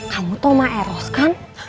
kamu tau maeros kan